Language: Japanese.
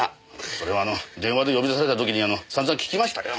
それは電話で呼び出された時に散々聞きましたよ。